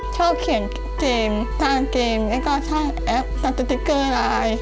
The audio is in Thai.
ชอบเขียนเกมสร้างเกมแล้วก็สร้างแอปตัวติ๊กเกอร์ลาย